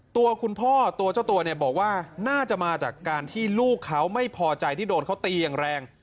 ตัวคุณพ่อตัวเจ้าตัวเนี่ยบอกว่าน่าจะมาจากการที่ลูกเขาไม่พอใจที่โดนเขาตีอย่างแรง